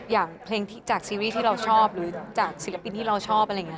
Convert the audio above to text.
อย่างเพลงจากซีรีส์ที่เราชอบหรือจากศิลปินที่เราชอบอะไรอย่างนี้